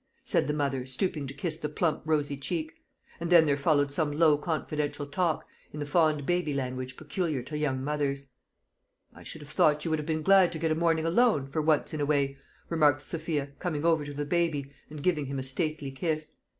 said the mother, stooping to kiss the plump rosy cheek. And then there followed some low confidential talk, in the fond baby language peculiar to young mothers. "I should have thought you would have been glad to get a morning alone, for once in a way," remarked Sophia, coming over to the baby, and giving him a stately kiss.